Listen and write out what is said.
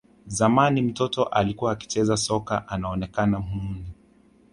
Zamani mtoto alikuwa akicheza soka anaonekana mhuni